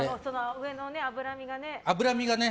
上の脂身がね。